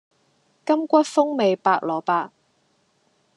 柑橘風味白蘿蔔